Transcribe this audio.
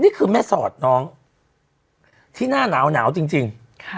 นี่คือแม่สอดน้องที่หน้าหนาวจริง